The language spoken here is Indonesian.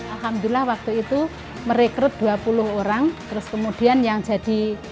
alhamdulillah waktu itu merekrut dua puluh orang terus kemudian yang jadi